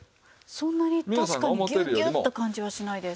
そんなに確かにギュギュって感じはしないです。